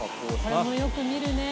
これもよく見るね